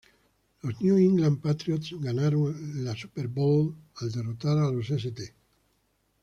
Los New England Patriots ganaron el Super Bowl, al derrotar a los St.